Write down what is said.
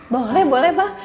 boleh boleh pak